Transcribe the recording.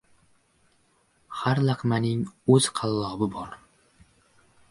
• Har laqmaning o‘z qallobi bor.